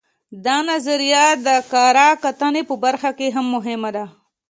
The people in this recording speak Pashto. دا نظریه د کره کتنې په برخه کې هم مهمه ده